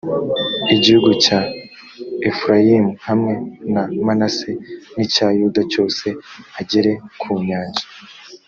igihugu cya efurayimu hamwe na manase, n’icya yuda cyose, agera ku nyanja